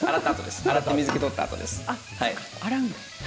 洗って水けを取ったあとです。